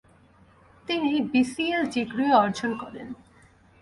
তিনি বিসিএল ডিগ্রিও অর্জন করেন।